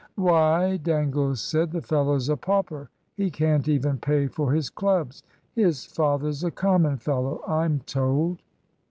"Why," Dangle said, "the fellow's a pauper! he can't even pay for his clubs! His father's a common fellow, I'm told."